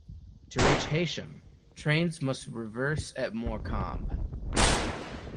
To reach Heysham, trains must reverse at Morecambe.